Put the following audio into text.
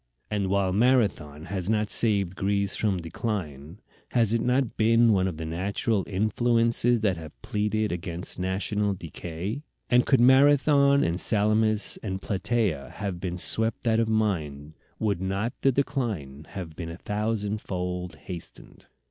And while Marathon has not saved Greece from decline, has it not been one of the natural influences that have pleaded against national decay? And could Marathon and Salamis and Platæa have been swept out of mind, would not the decline have been a thousandfold hastened?